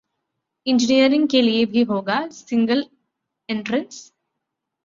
Engineering के लिए भी होगा सिंगल एंट्रेंस?